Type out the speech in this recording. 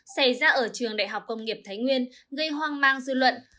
xảy ra ở trường đại học công nghiệp thái nguyên gây hoang mang dư luận